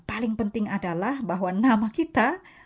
paling penting adalah bahwa nama kita